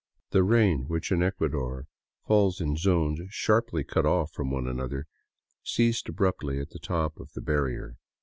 The rain, which in Ecuador falls in zones sharply cut off one from another, ceased abruptly at the top of the bar rier.